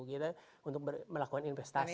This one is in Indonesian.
kita untuk melakukan investasi